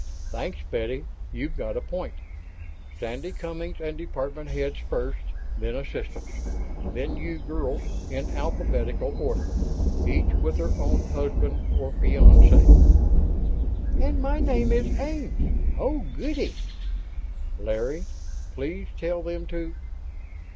"Thanks, Betty, you've got a point. Sandy Cummings and department heads first, then assistants. Then you girls, in alphabetical order, each with her own husband or fiance." "And my name is Ames. Oh, goody!" "Larry, please tell them to